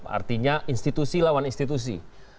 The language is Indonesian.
artinya institusi lawan institusi